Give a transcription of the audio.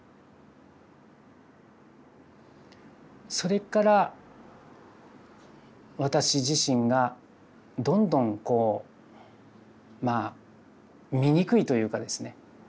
それから私自身がどんどんこうまあ醜いというかですね